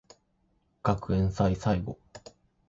学園祭最後